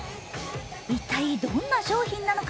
一体どんな商品なのか。